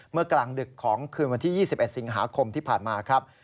กลางดึกของคืนวันที่๒๑สิงหาคมที่ผ่านมาครับ